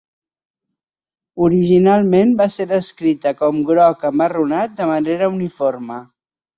Originalment va ser descrita com groc amarronat de manera uniforme.